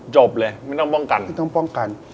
จบเลยไม่ต้องป้องกัน